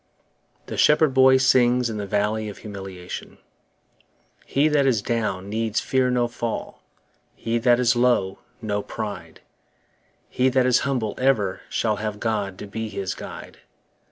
The Shepherd Boy sings in the Valley of Humiliation HE that is down needs fear no fall, He that is low, no pride; He that is humble ever shall Have God to be his guide.